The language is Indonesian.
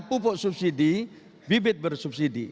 pupuk subsidi bibit bersubsidi